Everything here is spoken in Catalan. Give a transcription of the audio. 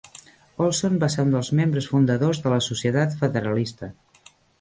Olson va ser un dels membres fundadors de la societat federalista.